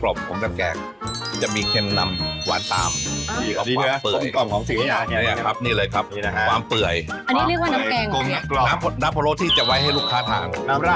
รสชาติให้บอกคมก่อมดำเดี๋ยวเราได้ชิมกัน